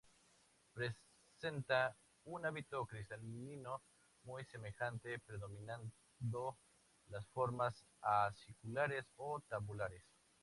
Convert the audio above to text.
Presenta un hábito cristalino muy semejante, predominando las formas aciculares o tabulares.